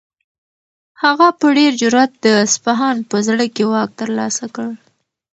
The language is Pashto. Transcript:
هغه په ډېر جرئت د اصفهان په زړه کې واک ترلاسه کړ.